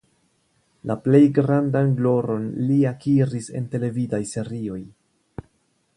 La plej grandan gloron li akiris en televidaj serioj.